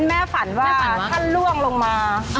แม่ฝันว่าท่านล่วงลงมา